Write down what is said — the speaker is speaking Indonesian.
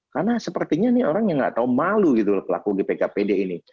karena sepertinya orang yang nggak tahu malu laku di pkpd ini